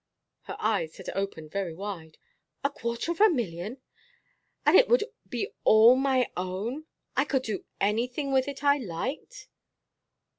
Her eyes had opened very wide. "A quarter of a million? And it would be all my own? I could do anything with it I liked?"